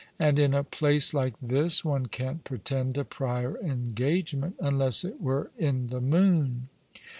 " And in a place like this one can't pretend a prior engagement, unless it were in the moon."